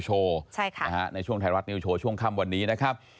ในช่วงไทยรัฐนิวโชว์ช่วงค่ำวันนี้นะครับ